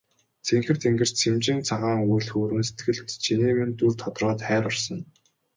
Цэнхэр тэнгэрт сэмжин цагаан үүл хөврөн сэтгэлд чиний минь дүр тодроод хайр урсана.